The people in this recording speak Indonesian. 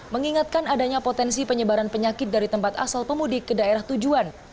mengingatkan adanya potensi penyebaran penyakit dari tempat asal pemudik ke daerah tujuan